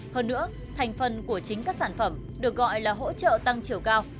hơn nữa thành phần của chính các sản phẩm được gọi là hỗ trợ tăng chiều cao